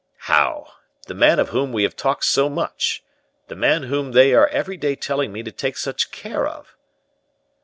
"How? the man of whom we have talked so much? The man whom they are every day telling me to take such care of?"